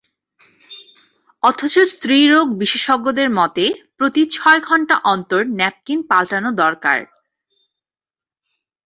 অথচ স্ত্রীরোগ বিশেষজ্ঞদের মতে, প্রতি ছয় ঘণ্টা অন্তর ন্যাপকিন পাল্টানো দরকার।